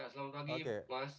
selamat pagi mas